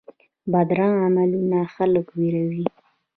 بدرنګه عملونه خلک ویروي